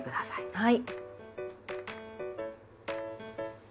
はい。